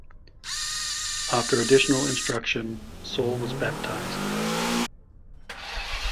After additional instruction, Saul was baptized.